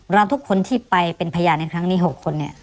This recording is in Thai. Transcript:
เราทุกคนที่ไปเป็นพยานในครั้งนี้๖คนเนี่ย